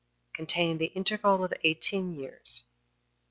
Containing The Interval Of Eighteen Years.